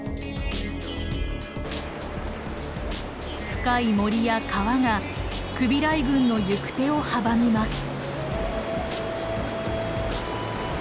深い森や川がクビライ軍の行く手を阻みます。